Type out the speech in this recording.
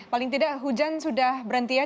paling tidak hujan sudah berhenti ya